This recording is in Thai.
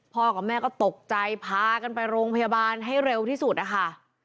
กับแม่ก็ตกใจพากันไปโรงพยาบาลให้เร็วที่สุดนะคะ